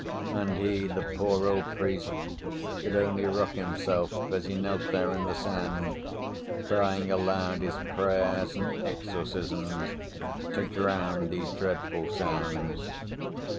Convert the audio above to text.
And he, the poor old priest, could only rock himself as he knelt there in the sand, crying aloud his prayers and exorcisms to drown these dreadful sounds.